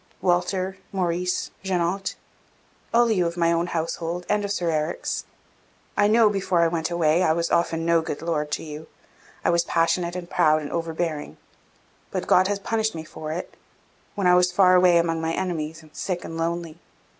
Walter Maurice Jeannot all you of my household, and of Sir Eric's I know, before I went away, I was often no good Lord to you; I was passionate, and proud, and overbearing; but God has punished me for it, when I was far away among my enemies, and sick and lonely.